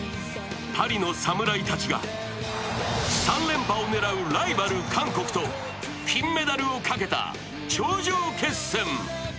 パリの侍たちが３連覇を狙うライバル・韓国と金メダルをかけた頂上決戦。